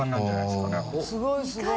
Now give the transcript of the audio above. すごいすごい。